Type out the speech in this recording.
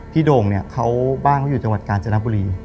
โด่งเนี่ยเขาบ้านเขาอยู่จังหวัดกาญจนบุรี